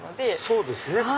そうですね。